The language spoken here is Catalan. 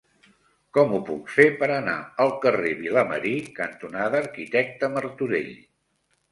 Com ho puc fer per anar al carrer Vilamarí cantonada Arquitecte Martorell?